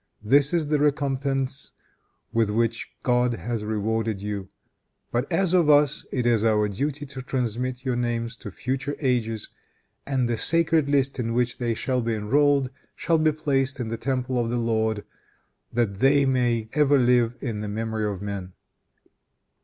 This is the recompense with which God has rewarded you. But as for us, it is our duty to transmit your names to future ages, and the sacred list in which they shall be enrolled shall be placed in the temple of the Lord, that they may ever live in the memory of men.